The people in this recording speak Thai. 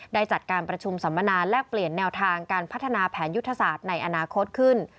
ได้จัดการประชุมสัมมนาแลกเปลี่ยนแนวทางการพัฒนาแผนยุทธศาสตร์ในอนาคตขึ้น